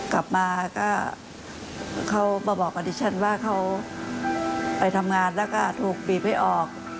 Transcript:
กลับมาก็เขามาบอกกับดิฉันว่าเขาไปทำงานแล้วก็ถูกบีบให้ออก